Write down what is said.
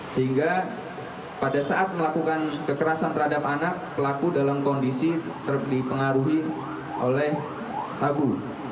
sehingga pada saat melakukan kekerasan terhadap anak pelaku dalam kondisi dipengaruhi oleh sabu